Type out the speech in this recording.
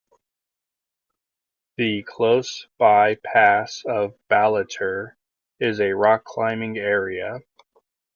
The close-by pass of Ballater is a rock-climbing area.